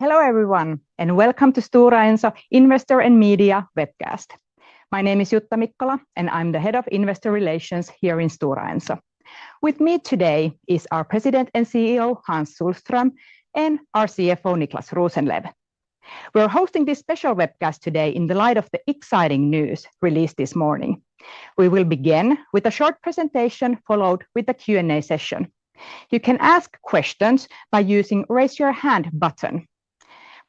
Hello everyone, and welcome to Stora Enso Investor and Media Webcast. My name is Jutta Mikkola, and I'm the Head of Investor Relations here in Stora Enso. With me today is our President and CEO, Hans Sohlström, and our CFO, Niclas Rosenlew. We're hosting this special webcast today in the light of the exciting news released this morning. We will begin with a short presentation followed by a Q&A session. You can ask questions by using the Raise Your Hand button.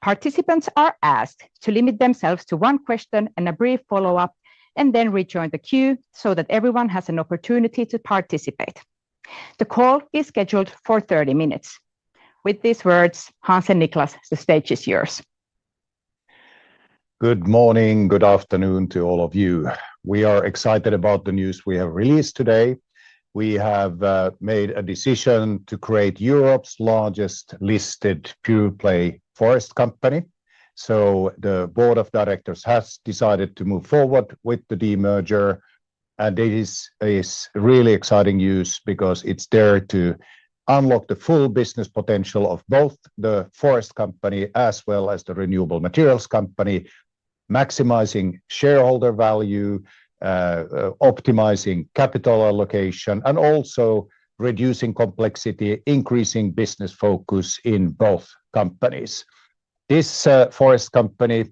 Participants are asked to limit themselves to one question and a brief follow-up, and then rejoin the queue so that everyone has an opportunity to participate. The call is scheduled for 30 minutes. With these words, Hans and Niclas, the stage is yours. Good morning, good afternoon to all of you. We are excited about the news we have released today. We have made a decision to create Europe's largest listed pure-play forest company. The Board of Directors has decided to move forward with the de-merger. This is really exciting news because it is there to unlock the full business potential of both the forest company as well as the renewable materials company, maximizing shareholder value, optimizing capital allocation, and also reducing complexity, increasing business focus in both companies. This forest company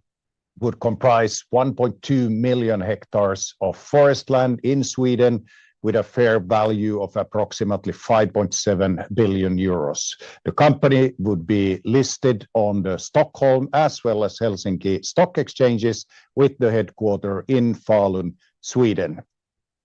would comprise 1.2 million hectares of forest land in Sweden, with a fair value of approximately 5.7 billion euros. The company would be listed on the Stockholm as well as Helsinki Stock Exchanges, with the headquarters in Falun, Sweden.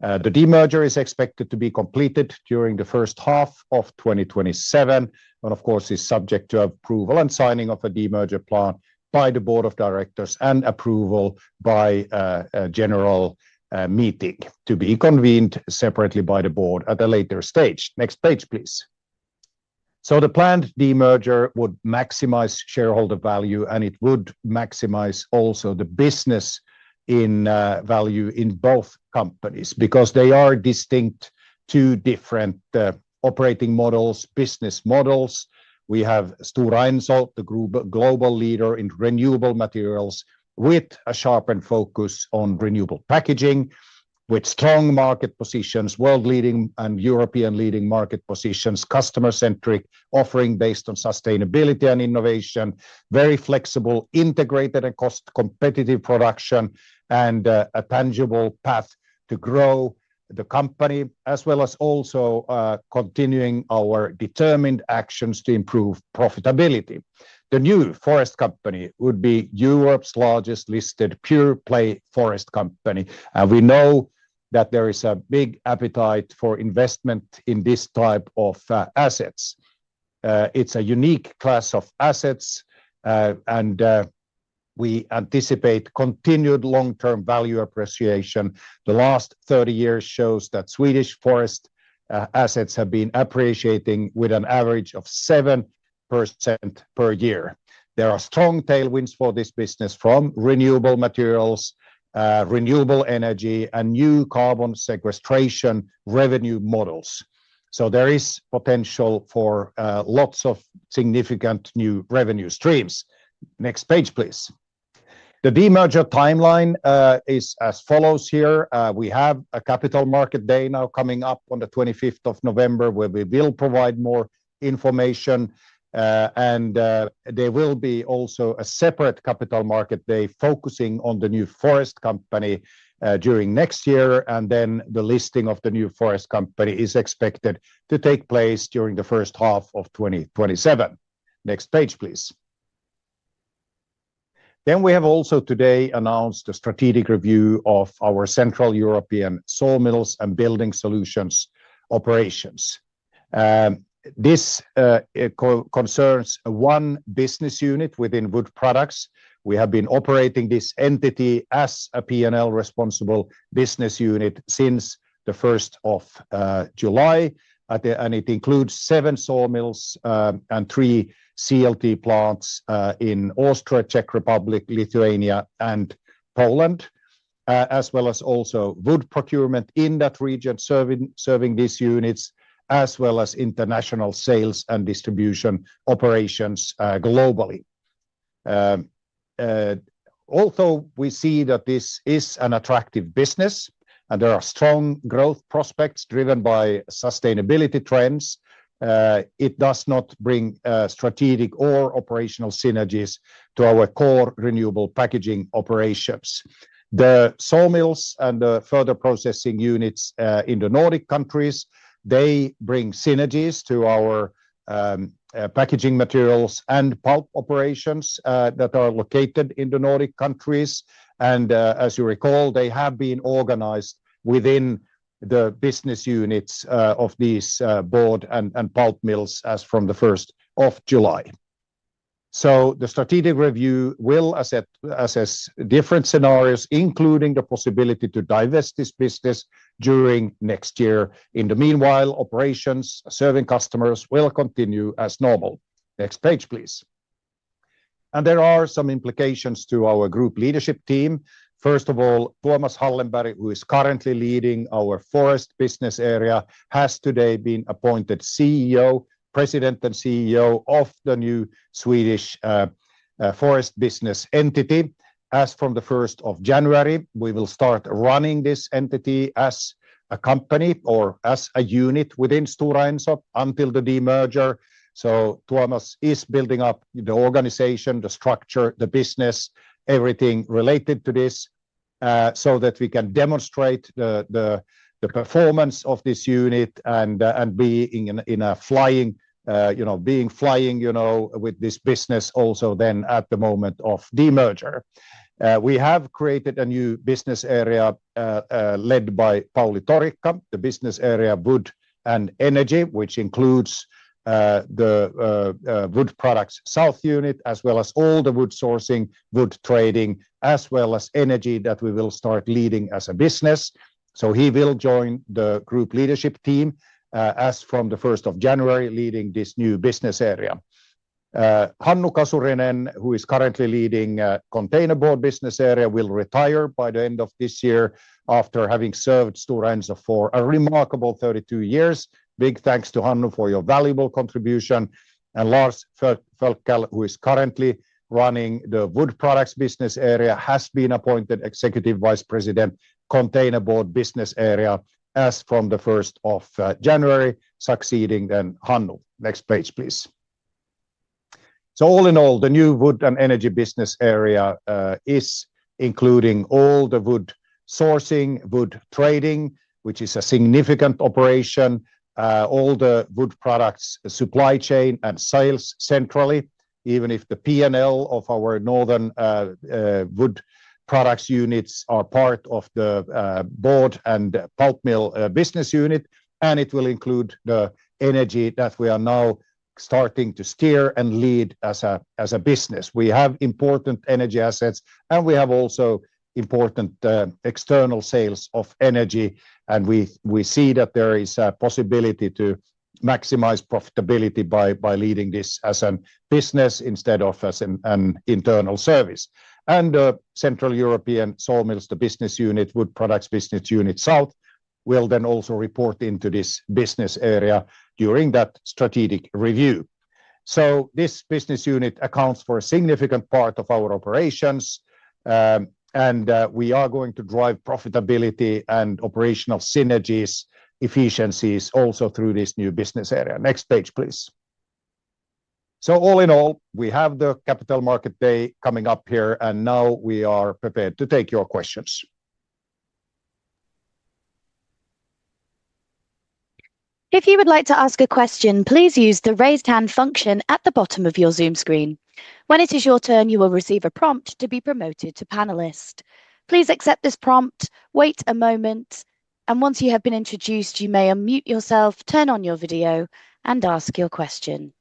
The de-merger is expected to be completed during the first half of 2027, and of course is subject to approval and signing of a de-merger plan by the Board of Directors and approval by a general meeting to be convened separately by the board at a later stage. Next page, please. The planned de-merger would maximize shareholder value, and it would maximize also the business value in both companies because they are distinct, two different operating models, business models. We have Stora Enso, the global leader in renewable materials, with a sharpened focus on renewable packaging, with strong market positions, world-leading and European-leading market positions, customer-centric offering based on sustainability and innovation, very flexible, integrated and cost-competitive production, and a tangible path to grow the company, as well as also continuing our determined actions to improve profitability. The new forest company would be Europe's largest listed pure-play forest company. We know that there is a big appetite for investment in this type of assets. It's a unique class of assets, and we anticipate continued long-term value appreciation. The last 30 years show that swedish Forest Assets have been appreciating with an average of 7% per year. There are strong tailwinds for this business from renewable materials, renewable energy, and new carbon sequestration revenue models. There is potential for lots of significant new revenue streams. Next page, please. The de-merger timeline is as follows here. We have a Capital Market day now coming up on the 25th of November, where we will provide more information. There will be also a separate Capital Market day focusing on the new forest company during next year. The listing of the new forest company is expected to take place during the first half of 2027. Next page, please. We have also today announced a strategic review of our Central European sawmills and building solutions operations. This concerns one business unit within wood products. We have been operating this entity as a P&L responsible business unit since the 1st of July. It includes seven sawmills and three CLT plants in Austria, Czech Republic, Lithuania, and Poland, as well as wood procurement in that region serving these units, as well as international sales and distribution operations globally. Although we see that this is an attractive business and there are strong growth prospects driven by sustainability trends, it does not bring strategic or operational synergies to our core renewable packaging operations. The sawmills and the further processing units in the Nordic countries bring synergies to our packaging materials and pulp operations that are located in the Nordic countries. As you recall, they have been organized within the business units of these board and pulp mills as from the 1st of July. The strategic review will assess different scenarios, including the possibility to divest this business during next year. In the meanwhile, operations serving customers will continue as normal. Next page, please. There are some implications to our group leadership team. First of all, Thomas Hallenberg, who is currently leading our forest business area, has today been appointed President and CEO of the Swedish Forest Business Entity as from the 1st of January, we will start running this entity as a company or as a unit within Stora Enso until the de-merger. Thomas is building up the organization, the structure, the business, everything related to this so that we can demonstrate the performance of this unit and be in a flying, you know, being flying, you know, with this business also then at the moment of de-merger. We have created a new business area led by Pauli Torikka, the business area wood and energy, which includes the wood products south unit, as well as all the wood sourcing, wood trading, as well as energy that we will start leading as a business. He will join the group leadership team as from the 1st of January, leading this new business area. Hannu Kasurinen, who is currently leading containerboard business area, will retire by the end of this year after having served Stora Enso for a remarkable 32 years. Big thanks to Hannu for your valuable contribution. Lars Fölkel, who is currently running the wood products business area, has been appointed Executive Vice President, containerboard business area, as from the 1st of January, succeeding then Hannu. Next page, please. All in all, the new wood and energy business area is including all the wood sourcing, wood trading, which is a significant operation, all the wood products supply chain and sales centrally, even if the P&L of our northern wood products units are part of the board and pulp mill business unit. It will include the energy that we are now starting to steer and lead as a business. We have important energy assets, and we have also important external sales of energy. We see that there is a possibility to maximize profitability by leading this as a business instead of as an internal service. The Central European Sawmills, the business unit, wood products business unit south will then also report into this business area during that strategic review. This business unit accounts for a significant part of our operations. We are going to drive profitability and operational synergies, efficiencies also through this new business area. Next page, please. All in all, we have the Capital Market day coming up here. Now we are prepared to take your questions. If you would like to ask a question, please use the raised hand function at the bottom of your Zoom screen. When it is your turn, you will receive a prompt to be promoted to panelist. Please accept this prompt, wait a moment. Once you have been introduced, you may unmute yourself, turn on your video, and ask your question.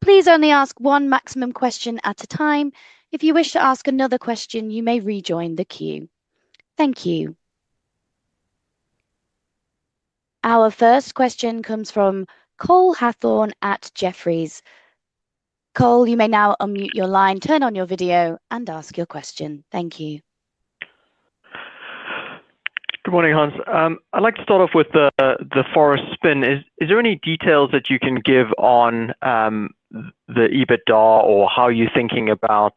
Please only ask one maximum question at a time. If you wish to ask another question, you may rejoin the queue. Thank you. Our first question comes from Cole Hathorn at Jefferies. Cole, you may now unmute your line, turn on your video, and ask your question. Thank you. Good morning, Hans. I'd like to start off with the forest spin. Is there any details that you can give on the EBITDA or how you're thinking about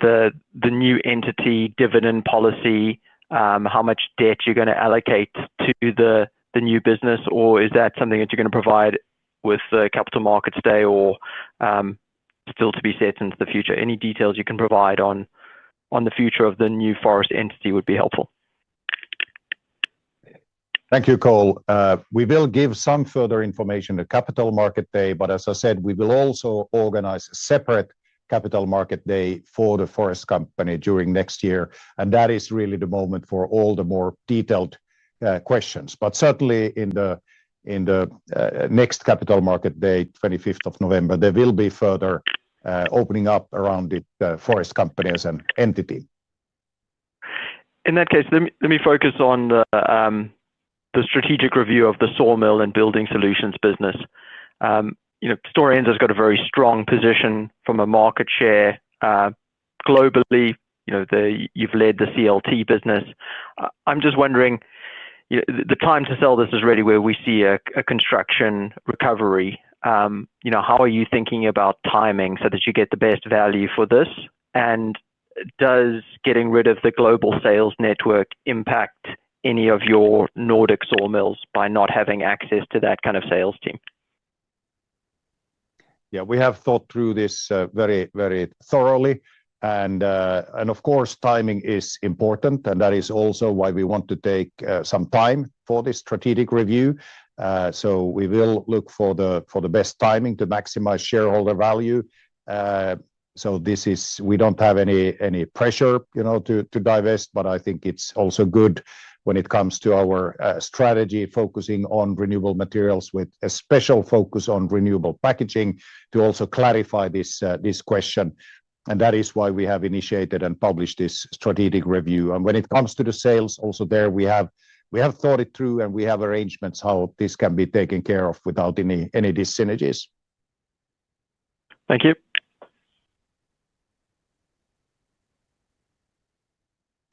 the new entity dividend policy, how much debt you're going to allocate to the new business, or is that something that you're going to provide with the Capital Markets day or still to be said into the future? Any details you can provide on the future of the new forest entity would be helpful. Thank you, Cole. We will give some further information on the Capital Market day, but as I said, we will also organize a separate Capital Market day for the forest company during next year. That is really the moment for all the more detailed questions. Certainly in the next Capital Market day, 25th of November, there will be further opening up around the forest company as an entity. In that case, let me focus on the strategic review of the sawmill and building solutions business. You know, Stora Enso has got a very strong position from a market share globally. You know, you've led the CLT business. I'm just wondering, the time to sell this is really where we see a construction recovery. You know, how are you thinking about timing so that you get the best value for this? And does getting rid of the global sales network impact any of your Nordic sawmills by not having access to that kind of sales team? Yeah, we have thought through this very, very thoroughly. Of course, timing is important. That is also why we want to take some time for this strategic review. We will look for the best timing to maximize shareholder value. We do not have any pressure, you know, to divest, but I think it is also good when it comes to our strategy, focusing on renewable materials with a special focus on renewable packaging, to also clarify this question. That is why we have initiated and published this strategic review. When it comes to the sales, also there we have thought it through and we have arrangements how this can be taken care of without any synergies. Thank you.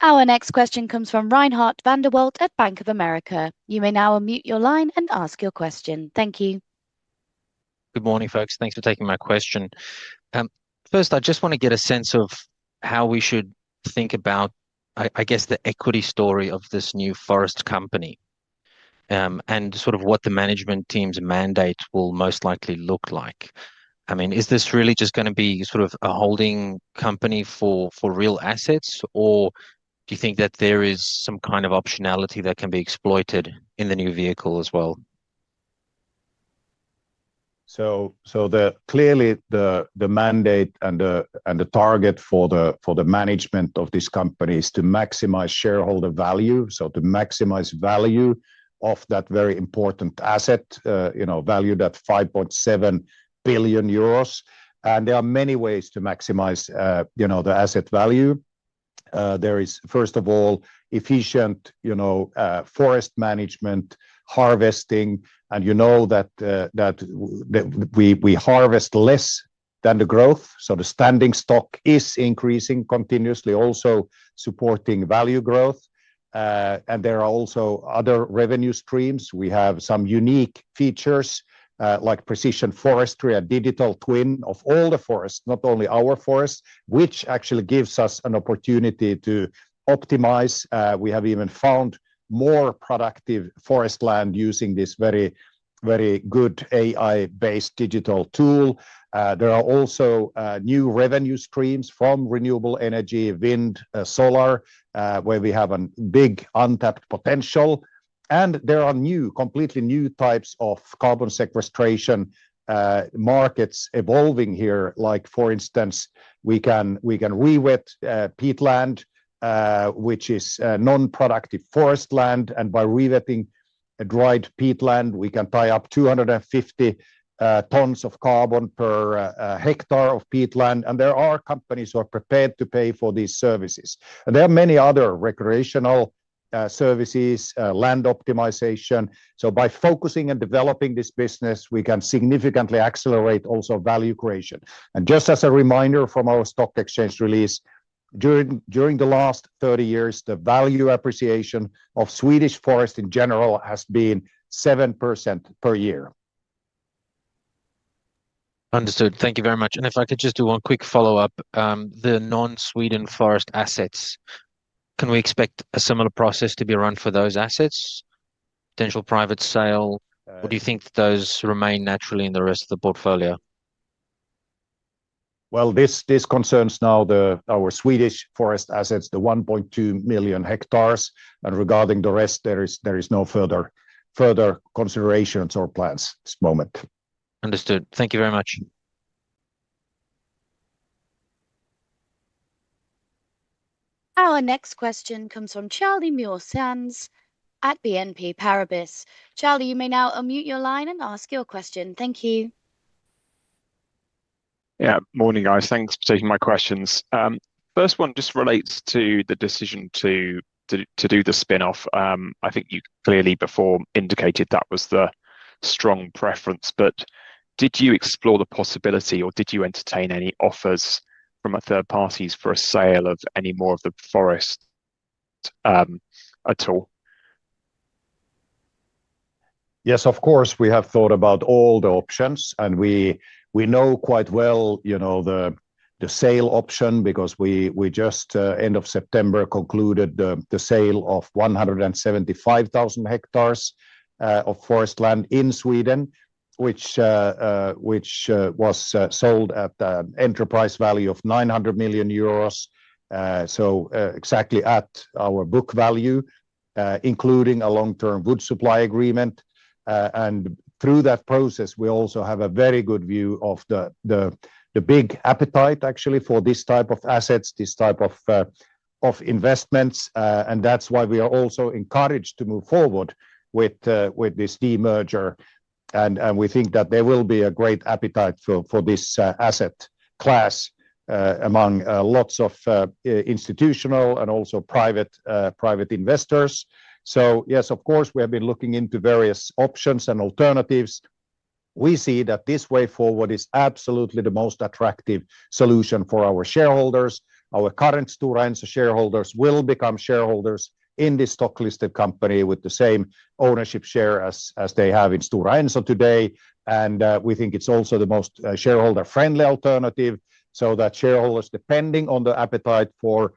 Our next question comes from Reinhardt van der Walt at Bank of America. You may now unmute your line and ask your question. Thank you. Good morning, folks. Thanks for taking my question. First, I just want to get a sense of how we should think about, I guess, the equity story of this new forest company and sort of what the management team's mandate will most likely look like. I mean, is this really just going to be sort of a holding company for real assets, or do you think that there is some kind of optionality that can be exploited in the new vehicle as well? Clearly the mandate and the target for the management of this company is to maximize shareholder value, to maximize value of that very important asset, you know, value that 5.7 billion euros. There are many ways to maximize, you know, the asset value. There is, first of all, efficient, you know, forest management, harvesting. You know that we harvest less than the growth. The standing stock is increasing continuously, also supporting value growth. There are also other revenue streams. We have some unique features like precision forestry and digital twin of all the forests, not only our forests, which actually gives us an opportunity to optimize. We have even found more productive forest land using this very, very good AI-based digital tool. There are also new revenue streams from renewable energy, wind, solar, where we have a big untapped potential. There are new, completely new types of carbon sequestration markets evolving here. For instance, we can re-wet peatland, which is non-productive forest land. By re-wetting dried peatland, we can tie up 250 tons of carbon per hectare of peatland. There are companies who are prepared to pay for these services. There are many other recreational services, land optimization. By focusing and developing this business, we can significantly accelerate also value creation. Just as a reminder from our stock exchange release, during the last 30 years, the value appreciation of Swedish Forest in general has been 7% per year. Understood. Thank you very much. If I could just do one quick follow-up, the non-Sweden Forest Assets, can we expect a similar process to be run for those assets, potential private sale? Do you think those remain naturally in the rest of the portfolio? This concerns now our swedish Forest Assets, the 1.2 million hectares. Regarding the rest, there is no further considerations or plans at this moment. Understood. Thank you very much. Our next question comes from Charlie Muir-Sands at BNP Paribas. Charlie, you may now unmute your line and ask your question. Thank you. Yeah, morning, guys. Thanks for taking my questions. First one just relates to the decision to do the spin-off. I think you clearly before indicated that was the strong preference, but did you explore the possibility or did you entertain any offers from third parties for a sale of any more of the forest at all? Yes, of course, we have thought about all the options. We know quite well, you know, the sale option because we just end of September concluded the sale of 175,000 hectares of forest land in Sweden, which was sold at an enterprise value of 900 million euros. Exactly at our book value, including a long-term wood supply agreement. Through that process, we also have a very good view of the big appetite actually for this type of assets, this type of investments. That is why we are also encouraged to move forward with this de-merger. We think that there will be a great appetite for this asset class among lots of institutional and also private investors. Yes, of course, we have been looking into various options and alternatives. We see that this way forward is absolutely the most attractive solution for our shareholders. Our current Stora Enso shareholders will become shareholders in the stock-listed company with the same ownership share as they have in Stora Enso today. We think it is also the most shareholder-friendly alternative. That way, shareholders, depending on the appetite for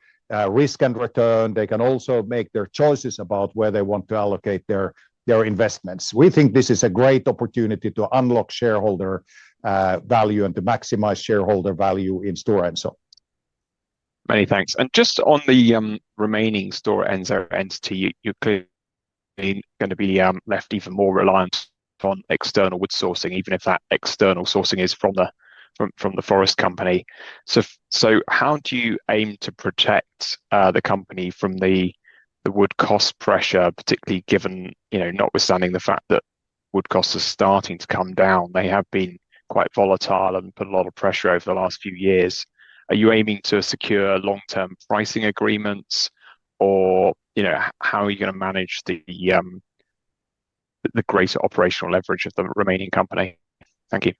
risk and return, can also make their choices about where they want to allocate their investments. We think this is a great opportunity to unlock shareholder value and to maximize shareholder value in Stora Enso. Many thanks. Just on the remaining Stora Enso entity, you're clearly going to be left even more reliant on external wood sourcing, even if that external sourcing is from the forest company. How do you aim to protect the company from the wood cost pressure, particularly given, you know, notwithstanding the fact that wood costs are starting to come down? They have been quite volatile and put a lot of pressure over the last few years. Are you aiming to secure long-term pricing agreements or, you know, how are you going to manage the greater operational leverage of the remaining company? Thank you.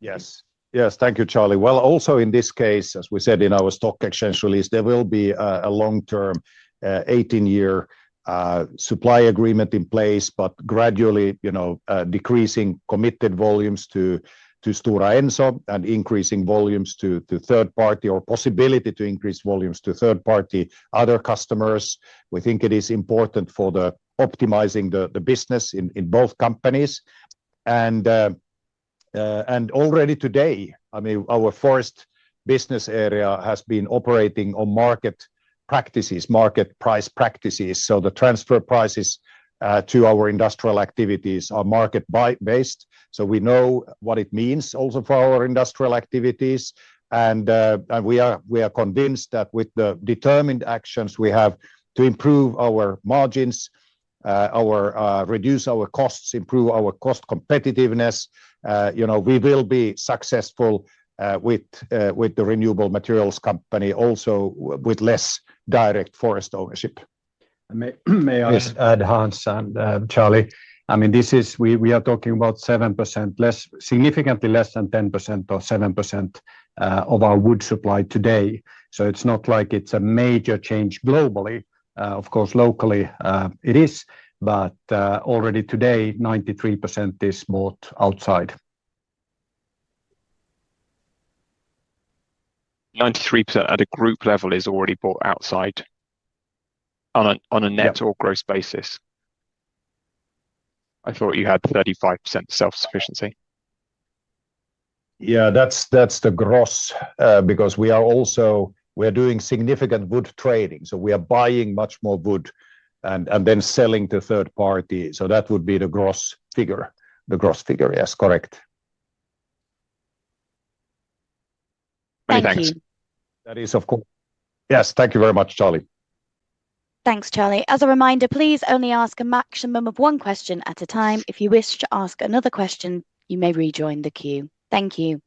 Yes. Yes, thank you, Charlie. Also in this case, as we said in our stock exchange release, there will be a long-term 18-year supply agreement in place, but gradually, you know, decreasing committed volumes to Stora Enso and increasing volumes to third party or possibility to increase volumes to third party other customers. We think it is important for optimizing the business in both companies. Already today, I mean, our forest business area has been operating on market practices, market price practices. The transfer prices to our industrial activities are market-based. We know what it means also for our industrial activities. We are convinced that with the determined actions we have to improve our margins, reduce our costs, improve our cost competitiveness, you know, we will be successful with the renewable materials company also with less direct forest ownership. May I just add, Hans and Charlie, I mean, this is, we are talking about 7%, significantly less than 10% or 7% of our wood supply today. It is not like it is a major change globally. Of course, locally it is, but already today, 93% is bought outside. 93% at a group level is already bought outside on a net or gross basis. I thought you had 35% self-sufficiency. Yeah, that's the gross because we are also, we are doing significant wood trading. We are buying much more wood and then selling to third party. That would be the gross figure. The gross figure, yes, correct. Thank you. That is, of course, yes, thank you very much, Charlie. Thanks, Charlie. As a reminder, please only ask a maximum of one question at a time. If you wish to ask another question, you may rejoin the queue. Thank you.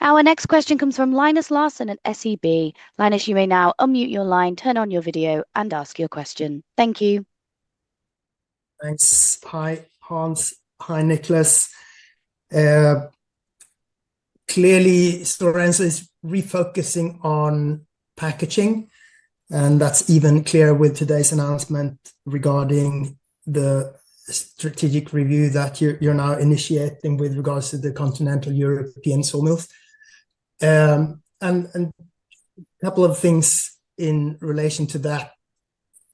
Our next question comes from Linus Larsson at SEB. Linus, you may now unmute your line, turn on your video, and ask your question. Thank you. Thanks. Hi, Hans. Hi, Niclas. Clearly, Stora Enso is refocusing on packaging. That is even clearer with today's announcement regarding the strategic review that you are now initiating with regards to the continental European sawmills. A couple of things in relation to that.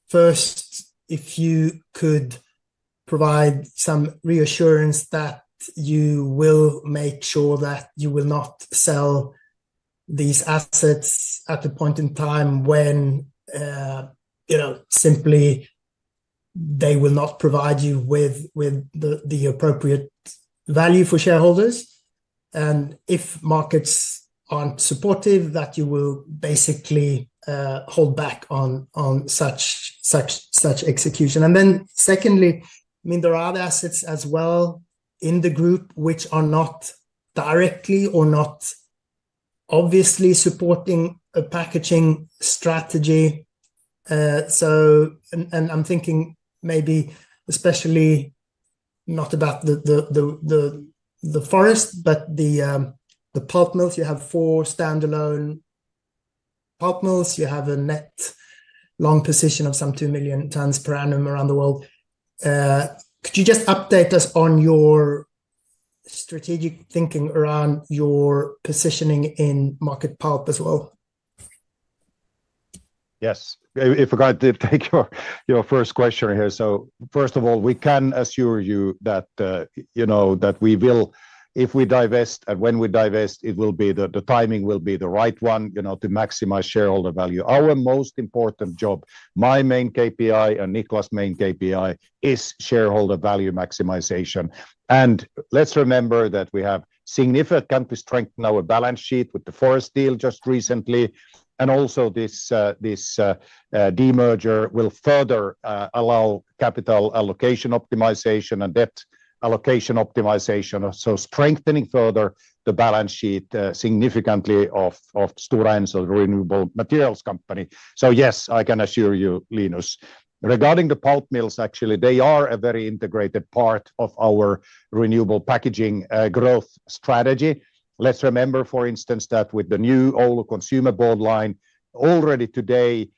First, if you could provide some reassurance that you will make sure that you will not sell these assets at a point in time when, you know, simply they will not provide you with the appropriate value for shareholders. If markets are not supportive, that you will basically hold back on such execution. Secondly, I mean, there are other assets as well in the group which are not directly or not obviously supporting a packaging strategy. I am thinking maybe especially not about the forest, but the pulp mills. You have four standalone pulp mills. You have a net long position of some 2 million tons per annum around the world. Could you just update us on your strategic thinking around your positioning in market pulp as well? Yes. If I could take your first question here. First of all, we can assure you that, you know, we will, if we divest and when we divest, the timing will be the right one, you know, to maximize shareholder value. Our most important job, my main KPI and Niclas's main KPI is shareholder value maximization. Let's remember that we have significantly strengthened our balance sheet with the forest deal just recently. Also, this de-merger will further allow capital allocation optimization and debt allocation optimization. Strengthening further the balance sheet significantly of Stora Enso Renewable Materials Company. Yes, I can assure you, Linus, regarding the pulp mills, actually, they are a very integrated part of our renewable packaging growth strategy. Let's remember, for instance, that with the new OLU Consumer Borderline, already today,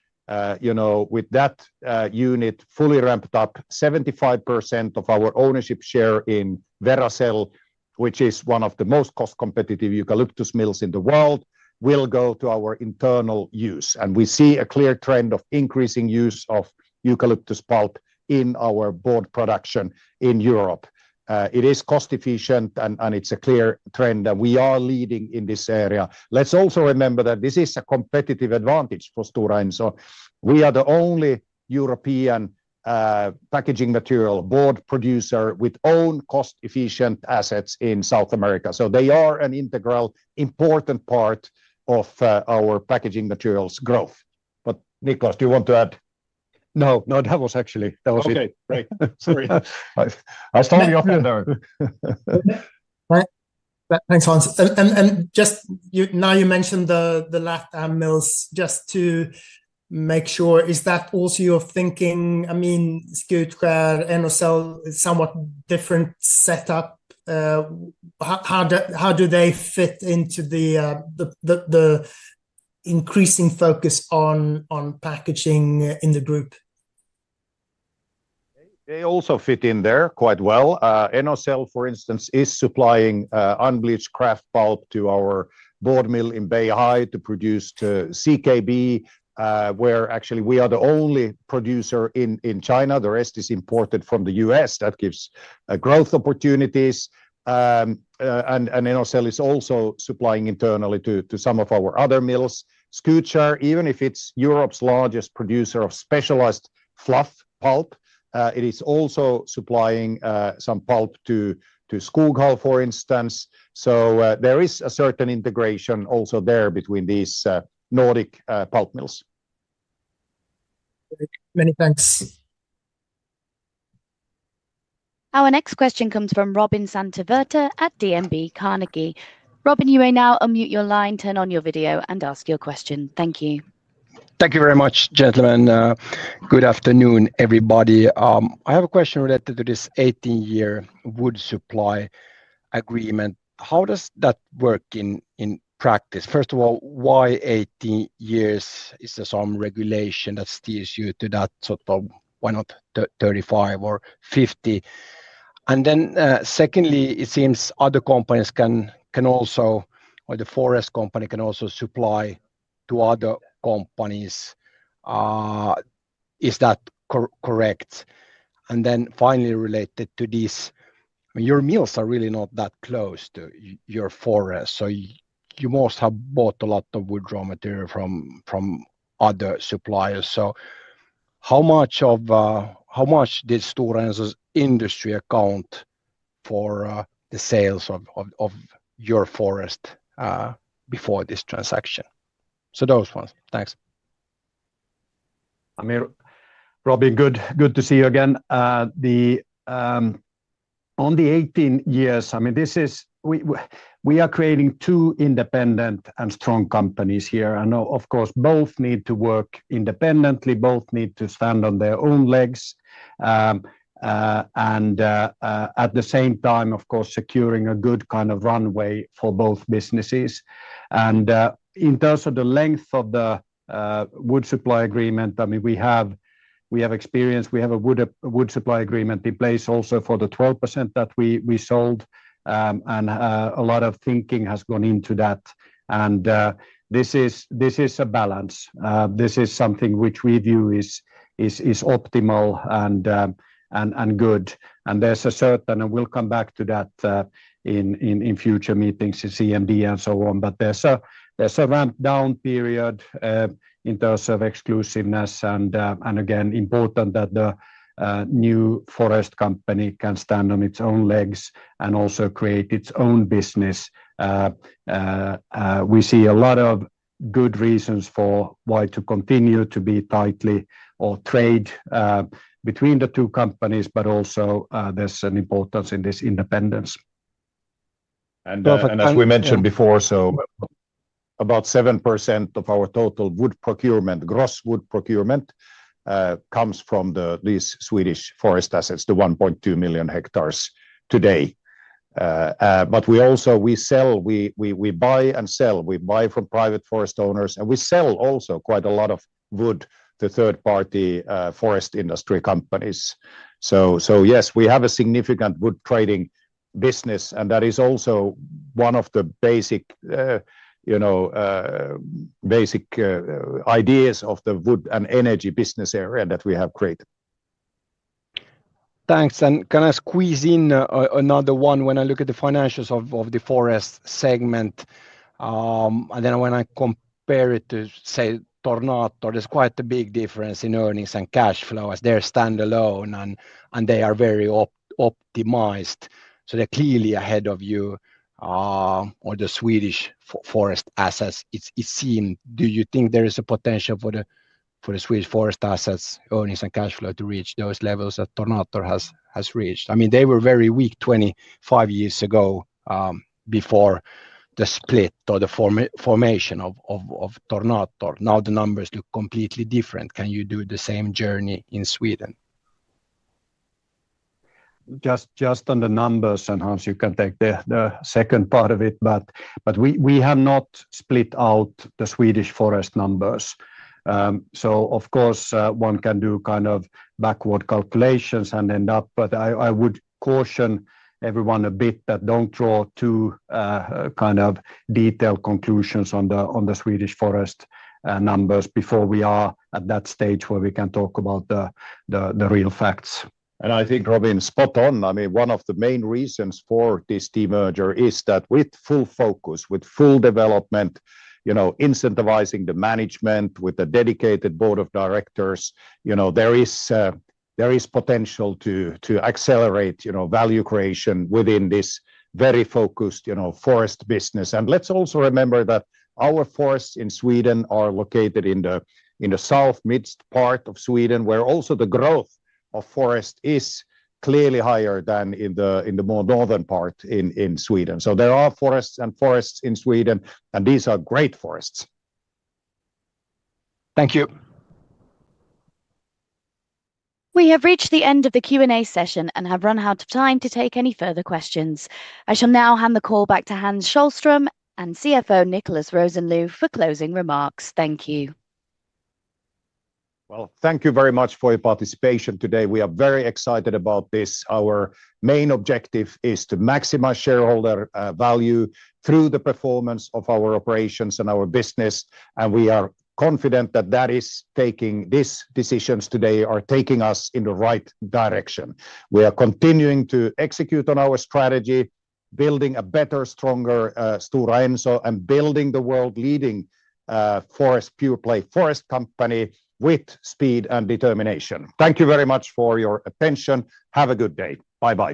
you know, with that unit fully ramped up, 75% of our ownership share in Veracel, which is one of the most cost competitive eucalyptus mills in the world, will go to our internal use. We see a clear trend of increasing use of eucalyptus pulp in our board production in Europe. It is cost efficient and it's a clear trend that we are leading in this area. Let's also remember that this is a competitive advantage for Stora Enso. We are the only European packaging material board producer with own cost efficient assets in South America. They are an integral important part of our packaging materials growth. But Niclas, do you want to add? No, no, that was actually, that was it. Okay, great. Sorry. I started off with that. Thanks, Hans. Just now you mentioned the LATAM mills. Just to make sure, is that also your thinking? I mean, Skutskär and Enocell, somewhat different setup. How do they fit into the increasing focus on packaging in the group? They also fit in there quite well. Enocell, for instance, is supplying unbleached kraft pulp to our board mill in Beihai to produce CKB, where actually we are the only producer in China. The rest is imported from the U.S. That gives growth opportunities. Enocell is also supplying internally to some of our other mills. Skutskär, even if it is Europe's largest producer of specialized fluff pulp, is also supplying some pulp to Skoghall, for instance. There is a certain integration also there between these Nordic pulp mills. Many thanks. Our next question comes from Robin Santavirta at DNB Carnegie. Robin, you may now unmute your line, turn on your video, and ask your question. Thank you. Thank you very much, gentlemen. Good afternoon, everybody. I have a question related to this 18-year wood supply agreement. How does that work in practice? First of all, why 18 years? Is there some regulation that steers you to that sort of, why not 35 or 50? Secondly, it seems other companies can also, or the forest company can also supply to other companies. Is that correct? Finally, related to this, your mills are really not that close to your forest. You must have bought a lot of wood raw material from other suppliers. How much did Stora Enso's industry account for the sales of your forest before this transaction? Those ones, thanks. I mean, Robin, good to see you again. On the 18 years, I mean, this is, we are creating two independent and strong companies here. Of course, both need to work independently, both need to stand on their own legs. At the same time, of course, securing a good kind of runway for both businesses. In terms of the length of the wood supply agreement, I mean, we have experience, we have a wood supply agreement in place also for the 12% that we sold. A lot of thinking has gone into that. This is a balance. This is something which we view is optimal and good. There is a certain, and we will come back to that in future meetings in CMD and so on. There is a ramp-down period in terms of exclusiveness. It is important that the new forest company can stand on its own legs and also create its own business. We see a lot of good reasons for why to continue to be tightly or trade between the two companies, but also there is an importance in this independence. As we mentioned before, about 7% of our total wood procurement, gross wood procurement, comes from these swedish Forest Assets, the 1.2 million hectares today. We also buy from private forest owners and we sell also quite a lot of wood to third-party forest industry companies. Yes, we have a significant wood trading business and that is also one of the basic ideas of the wood and energy business area that we have created. Thanks. Can I squeeze in another one? When I look at the financials of the forest segment, and then when I compare it to, say, Tornado, there is quite a big difference in earnings and cash flow as they are standalone and they are very optimized. They are clearly ahead of you or the swedish Forest Assets, it seems. Do you think there is a potential for the swedish Forest Assets' earnings and cash flow to reach those levels that Tornado has reached? I mean, they were very weak 25 years ago before the split or the formation of Tornado. Now the numbers look completely different. Can you do the same journey in Sweden? Just on the numbers and Hans, you can take the second part of it, but we have not split out the Swedish Forest numbers. Of course, one can do kind of backward calculations and end up, but I would caution everyone a bit that do not draw too kind of detailed conclusions on the Swedish Forest numbers before we are at that stage where we can talk about the real facts. I think Robin's spot on. I mean, one of the main reasons for this de-merger is that with full focus, with full development, you know, incentivizing the management with a dedicated board of directors, you know, there is potential to accelerate value creation within this very focused forest business. Let's also remember that our forests in Sweden are located in the south midst part of Sweden where also the growth of forest is clearly higher than in the more northern part in Sweden. There are forests and forests in Sweden and these are great forests. Thank you. We have reached the end of the Q&A session and have run out of time to take any further questions. I shall now hand the call back to Hans Sohlström and CFO Niclas Rosenlew for closing remarks. Thank you. Thank you very much for your participation today. We are very excited about this. Our main objective is to maximize shareholder value through the performance of our operations and our business. We are confident that taking these decisions today are taking us in the right direction. We are continuing to execute on our strategy, building a better, stronger Stora Enso and building the world-leading pure-play forest company with speed and determination. Thank you very much for your attention. Have a good day. Bye-bye.